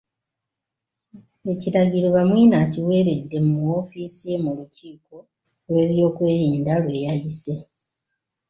Ekiragiro Bamwine akiweeredde mu woofiisi ye mu lukiiko lw'ebyokwerinda lwe yayise.